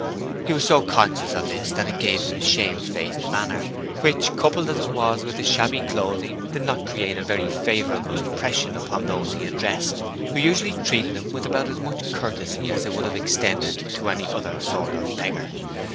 He was so conscious of this that it gave him a shamefaced manner, which, coupled as it was with his shabby clothing, did not create a very favourable impression upon those he addressed, who usually treated him with about as much courtesy as they would have extended to any other sort of beggar.